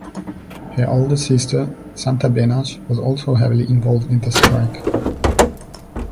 Her older sister, Santa Benash, was also heavily involved in the strike.